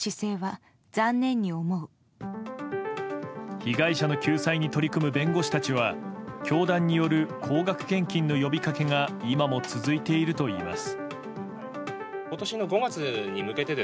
被害者の救済に取り組む弁護士たちは教団による高額献金の呼びかけが今も続いているといいます。